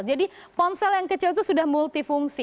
jadi ponsel yang kecil itu sudah multifungsi